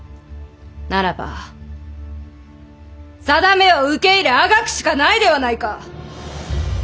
ならばさだめを受け入れあがくしかないではないか。